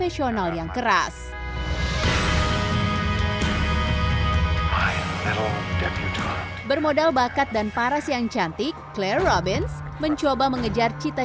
dan juga bergabung dengan institusi balet bergensi